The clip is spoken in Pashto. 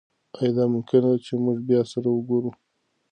ایا دا ممکنه ده چې موږ بیا سره وګورو؟